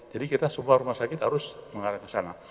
jadi kita semua rumah sakit harus mengarah ke sana